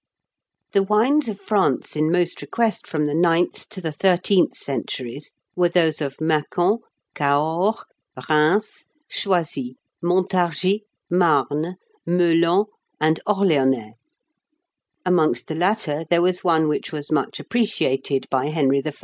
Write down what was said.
] The wines of France in most request from the ninth to the thirteenth centuries were those of Mâcon, Cahors, Rheims, Choisy, Montargis, Marne, Meulan, and Orléanais. Amongst the latter there was one which was much appreciated by Henry I.